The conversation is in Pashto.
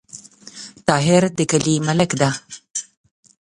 طاهر د کلې ملک ده